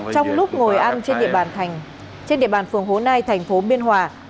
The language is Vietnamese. trong lúc ngồi ăn trên địa bàn phường hồ nai tp biên hòa